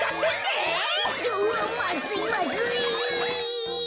うわっまずいまずい。